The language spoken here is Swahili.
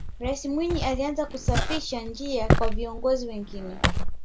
raisi mwinyi alianza kusafisha njia kwa viongozi wengine